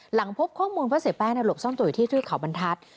หลังพบข้อมูลว่าเสียแป้งหลบซ่อนตัวอยู่ที่เทือกเขาบรรทัศน์